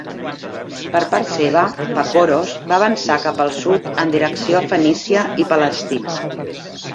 Per part seva, Pacoros va avançar cap al sud en direcció a Fenícia i Palestina.